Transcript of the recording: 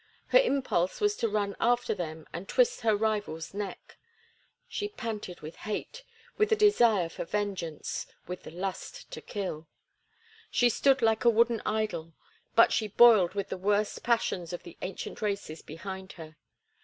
Her impulse was to run after them and twist her rival's neck. She panted with hate, with the desire for vengeance, with the lust to kill. She stood like a wooden idol, but she boiled with the worst passions of the ancient races behind her.